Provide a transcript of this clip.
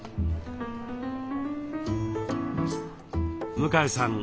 向江さん